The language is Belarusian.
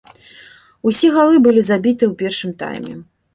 Усе галы былі забітыя ў першым тайме.